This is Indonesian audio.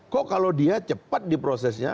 kok kalau dia cepat di prosesnya